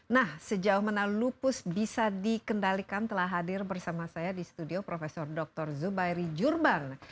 nah sejauh mana lupus bisa dikendalikan telah hadir bersama saya di studio prof dr zubairi jurban